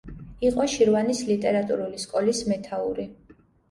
იყო შირვანის ლიტერატურული სკოლის მეთაური.